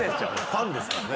ファンですからね。